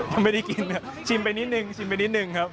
ยังไม่ได้กินชิมไปนิดหนึ่งชิมไปนิดหนึ่งครับ